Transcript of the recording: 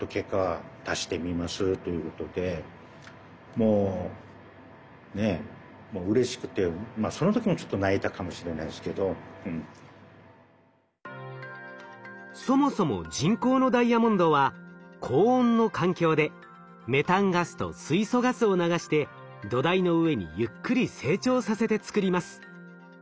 もうねそもそも人工のダイヤモンドは高温の環境でメタンガスと水素ガスを流して土台の上にゆっくり成長させてつくります。